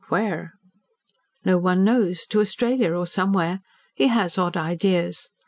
"Where?" "No one knows. To Australia or somewhere. He has odd ideas.